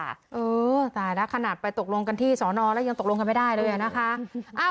เออตายแล้วขนาดไปตกลงกันที่สอนอแล้วยังตกลงกันไม่ได้เลยนะคะ